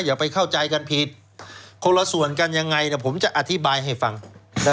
อย่าไปเข้าใจกันผิดคนละส่วนกันยังไงเดี๋ยวผมจะอธิบายให้ฟัง